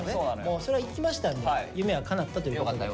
それは行きましたんで夢はかなったということでよろしくお願いします。